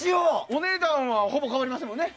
お値段はほぼ変わりませんもんね。